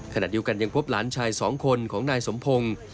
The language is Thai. ขณะอยู่กันยังพบหลานชายสองคนของนายสมพงศ์